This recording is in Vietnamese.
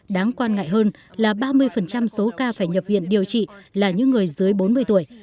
đáng quan ngại hơn là ba mươi số ca phải nhập viện điều trị là những người dưới bốn mươi tuổi